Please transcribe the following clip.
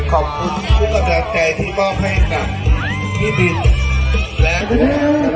ขอบคุณทุกกำลังใจที่มอบให้กับพี่บินและพวกเรา